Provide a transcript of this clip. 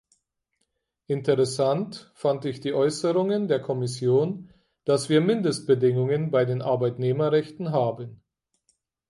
Interessant fand ich die Äußerungen der Kommission, dass wir Mindestbedingungen bei den Arbeitnehmerrechten haben.